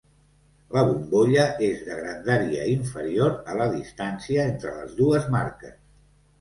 La bombolla és de grandària inferior a la distància entre les dues marques.